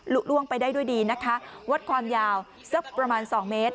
ล่วงไปได้ด้วยดีนะคะวัดความยาวสักประมาณสองเมตร